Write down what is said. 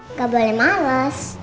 nggak boleh males